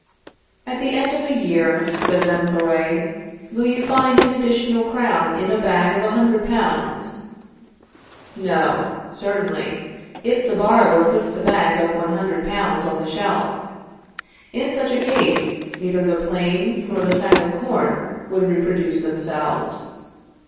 At the end of a year, says M. Thoré, will you find an additional crown in a bag of a hundred pounds? No, certainly, if the borrower puts the bag of one hundred pounds on the shelf. In such a case, neither the plane, nor the sack of corn, would reproduce themselves.